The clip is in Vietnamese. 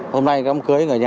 hôm nay cơm cưới ở nhà